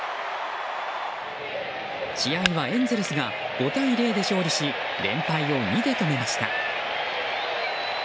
試合はエンゼルスが５対０で勝利し連敗を２で止めました。